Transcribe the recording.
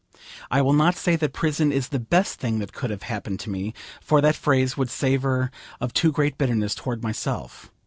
I will not say that prison is the best thing that could have happened to me: for that phrase would savour of too great bitterness towards myself.